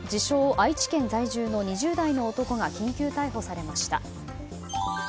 ・愛知県在住の２０代の男が緊急逮捕されました。